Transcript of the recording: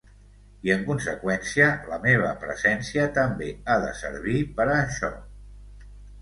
I en conseqüència la meva presència també ha de servir per a això.